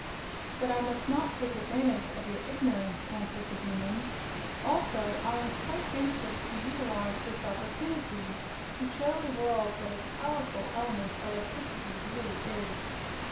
"But I must not take advantage of your ignorance," answered the Demon. "Also, I am quite anxious to utilize this opportunity to show the world what a powerful element electricity really is.